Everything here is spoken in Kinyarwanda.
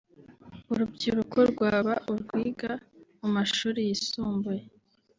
urubyiruko rwaba urwiga mu mashuri yisumbuye